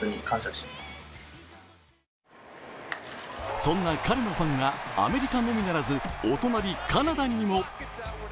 そんな彼のファンは、アメリカのみならずお隣、カナダにも。